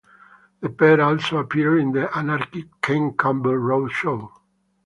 The pair also appeared in the anarchic Ken Campbell Road Show.